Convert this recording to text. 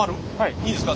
いいですか？